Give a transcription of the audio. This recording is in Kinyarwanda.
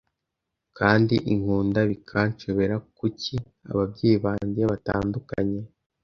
kandi inkunda bikanshobera, kuki ababyeyi banjye batandukanye?